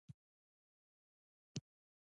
ډایټر فوکودروف وایي هڅه کول تر ټولو مهم دي.